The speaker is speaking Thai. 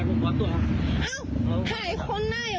เอาไงเอาไง